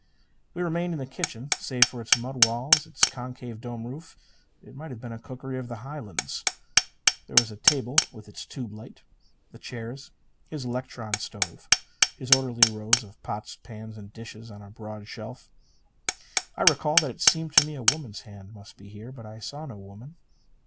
We remained in his kitchen. Save for its mud walls, its concave, dome roof, it might have been a cookery of the Highlands. There was a table with its tube light; the chairs; his electron stove; his orderly rows of pots and pans and dishes on a broad shelf. I recall that it seemed to me a woman's hand must be here. But I saw no woman.